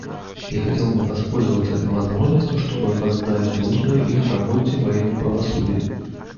Я хотел бы воспользоваться этой возможностью, чтобы воздать должное их работе во имя правосудия.